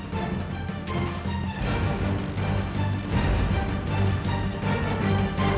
tidak pernah terjadi